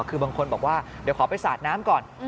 คือบางคนบอกว่าเดี๋ยวขอไปสาดน้ำก่อน